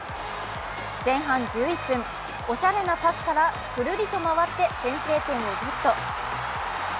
前半１１分、おしゃれなパスからくるりと回って先制点をゲット。